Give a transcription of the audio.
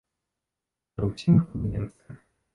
Пры ўсім іх падабенстве.